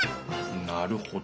なるほど。